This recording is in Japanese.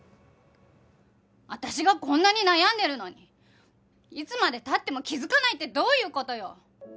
私がこんなに悩んでるのにいつまで経っても気づかないってどういう事よ？